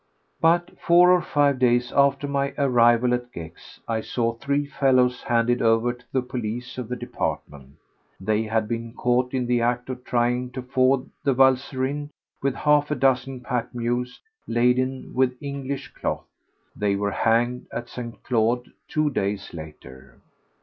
But four or five days after my arrival at Gex I saw three fellows handed over to the police of the department. They had been caught in the act of trying to ford the Valserine with half a dozen pack mules laden with English cloth. They were hanged at St. Claude two days later.